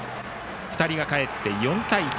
２人がかえって４対１。